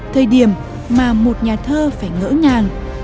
thời điểm mà một nhà thơ phải ngỡ ngàng